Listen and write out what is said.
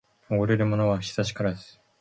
おごれるものは久しからず